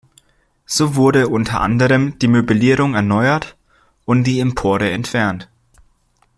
So wurde unter anderem die Möblierung erneuert und die Empore entfernt.